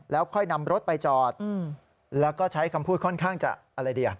แล้วค่อยนำรถไปจอดแล้วก็ใช้คำพูดค่อนข้างจะอะไรดี